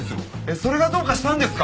それがどうかしたんですか？